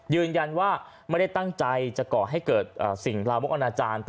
ยืนยันว่าไม่ได้ตั้งใจจะก่อให้เกิดสิ่งลามกอนาจารย์